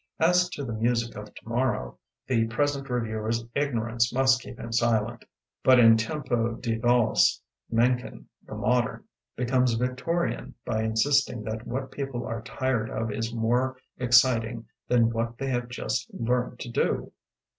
As to the "Music of Tomorrow" the present reviewer's ignorance must keep him silent, but in "Tempo di Valse" Mencken, the modem, becomes Victorian by insisting that what people are tired of is more exciting than what they have just learned to do.